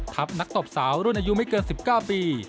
นักตบสาวรุ่นอายุไม่เกิน๑๙ปี